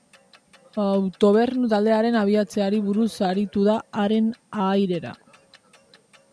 Autobernu taldearen abiatzeari buruz aritu da haren ahairera.